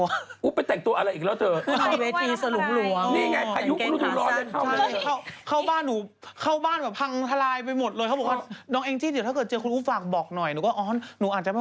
รู้ไหมสิวะค่ะทำไมประเทอดยิงทิ้งกะเทยไปร้วงต้องหาเถิงแล้วต้นยิงไง